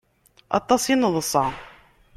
Aṭas i neḍsa.